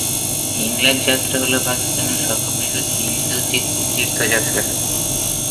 হিংলাজ যাত্রা হল পাকিস্তানের সর্ববৃহৎ হিন্দু তীর্থযাত্রা।